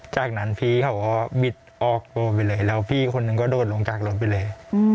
จากนั้นพี่เขาก็บิดออกตัวไปเลยแล้วพี่คนนึงก็โดดลงจากรถไปเลย